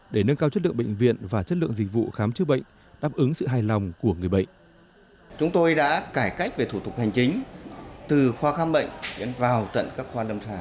để nâng cao chất lượng bệnh viện và chất lượng dịch vụ khám chữa bệnh đáp ứng sự hài lòng của người bệnh